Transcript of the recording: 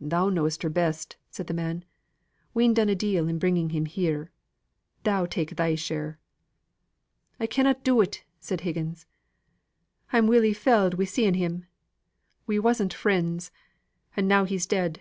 "Thou knows her best," said the man. "We'n done a deal in bringing him here thou take thy share." "I canna do it," said Higgins. "I'm welly felled wi' seeing him. We wasn't friends; and now he's dead."